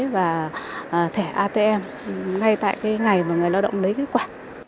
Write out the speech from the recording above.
và thẻ atm ngay tại cái ngày mà người lao động lấy kết quả